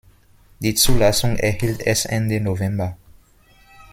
Die Zulassung erhielt es Ende November.